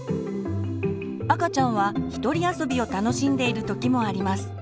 赤ちゃんは一人遊びを楽しんでいる時もあります。